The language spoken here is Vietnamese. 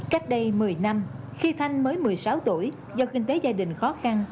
cách đây một mươi năm khi thanh mới một mươi sáu tuổi do kinh tế gia đình khó khăn